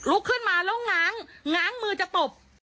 ขึ้นมาแล้วง้าง้างมือจะตบ